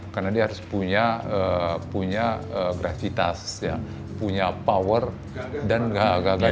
karena dia harus punya gravitas punya power dan gagah